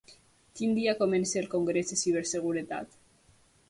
Quin dia comença el congrés de ciberseguretat?